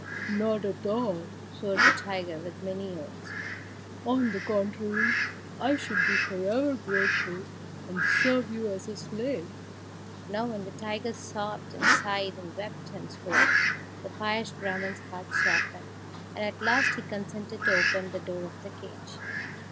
"Not at all!" swore the tiger with many oaths; "on the contrary, I should be for ever grateful, and serve you as a slave!" Now when the tiger sobbed and sighed and wept and swore, the pious Brahman's heart softened, and at last he consented to open the door of the cage.